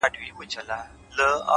ساده ژوند د زړه سکون راولي،